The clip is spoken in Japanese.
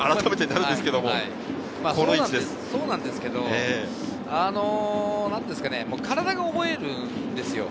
そうなんですけれど、体が覚えるんですよ。